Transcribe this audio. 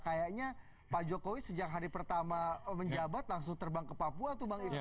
kayaknya pak jokowi sejak hari pertama menjabat langsung terbang ke papua tuh bang ivan